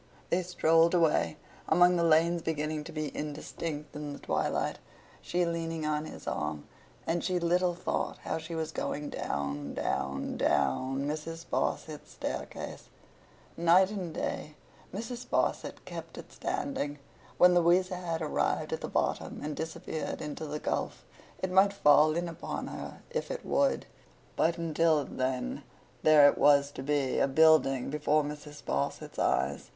They strolled away, among the lanes beginning to be indistinct in the twilight—she leaning on his arm—and she little thought how she was going down, down, down, Mrs. Sparsit's staircase. Night and day, Mrs. Sparsit kept it standing. When Louisa had arrived at the bottom and disappeared in the gulf, it might fall in upon her if it would; but, until then, there it was to be, a Building, before Mrs. Sparsit's eyes.